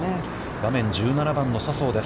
画面は１７番の笹生です。